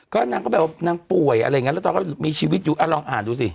ก็นางก็แบบว่านางป่วยอะไรอย่างเงี้แล้วตอนก็มีชีวิตอยู่ลองอ่านดูสิ